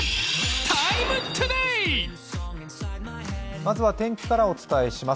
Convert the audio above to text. まずは天気からお伝えします。